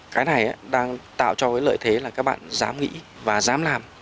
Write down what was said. cái này đang tạo cho cái lợi thế là các bạn dám nghĩ và dám làm